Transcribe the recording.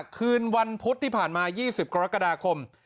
คืนวันพุธที่ผ่านมา๒๐กรกฎาคม